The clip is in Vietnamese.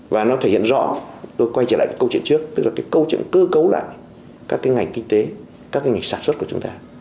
và nó thể hiện rõ tôi quay trở lại câu chuyện trước tức là cái câu chuyện cơ cấu lại các cái ngành kinh tế các cái ngành sản xuất của chúng ta